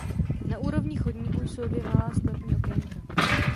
Na úrovni chodníku jsou dvě malá sklepní okénka.